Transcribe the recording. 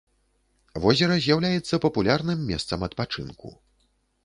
Возера з'яўляецца папулярным месцам адпачынку.